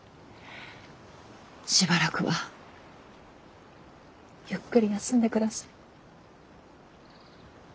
しばらくはゆっくり休んで下さい。